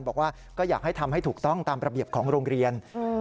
บอกว่าก็อยากให้ทำให้ถูกต้องตามระเบียบของโรงเรียน